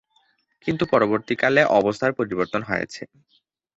কিন্তু পরবর্তীকালে অবস্থার পরিবর্তন হয়েছে।